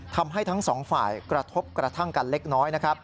ทำให้ทั้ง๒ฝ่ายกระทบกระทั่งกันเล็กน้อย